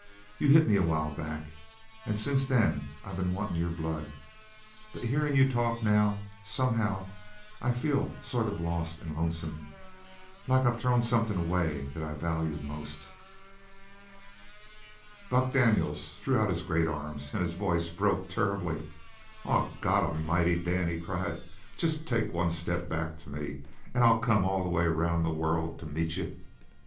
You hit me a while back, and since then I been wantin' your blood but hearin' you talk now, somehow I feel sort of lost and lonesome like I'd thrown somethin' away that I valued most." Buck Daniels threw out his great arms and his voice was broken terribly. "Oh, God A'mighty, Dan," he cried, "jest take one step back to me and I'll come all the way around the world to meet you!"